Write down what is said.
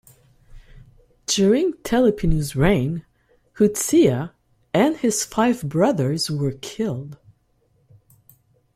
During Telipinu's reign, Huzziya and his five brothers were killed.